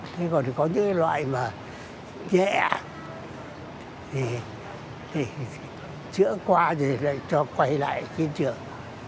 thế còn có những loại mà nhẹ thì chữa qua rồi lại cho quay lại trên trường